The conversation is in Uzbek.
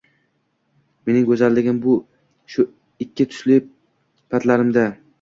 Mening go‘zalligim shu ikki tusli patlarimda